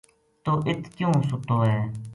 توہ اِت کیوں سُتو ہے